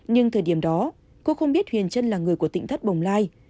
nhưng thời điểm đó cô không biết huyền trân là người của tỉnh thất bồng lai